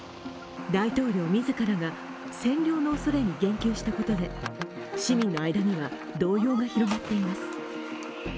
大統領自らが占領のおそれに言及したことで、市民の間には動揺が広がっています。